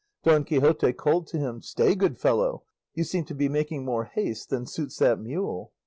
Don Quixote called to him, "Stay, good fellow; you seem to be making more haste than suits that mule."